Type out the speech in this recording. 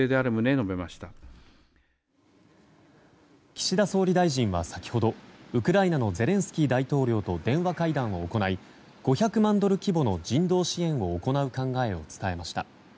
岸田総理大臣は先ほどウクライナのゼレンスキー大統領と電話会談を行い５００万ドル規模の人道支援を行う考えを伝えました。